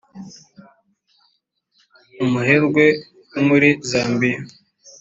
umuherwe wo muri zambia